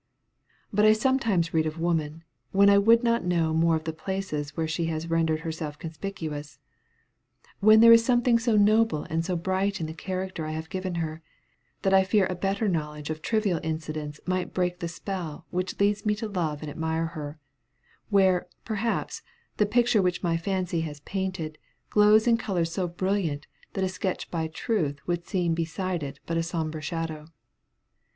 But I sometimes read of woman, when I would not know more of the places where she has rendered herself conspicuous; when there is something so noble and so bright in the character I have given her, that I fear a better knowledge of trivial incidents might break the spell which leads me to love and admire her; where, perhaps, the picture which my fancy has painted, glows in colors so brilliant, that a sketch by Truth would seem beside it but a sombre shadow.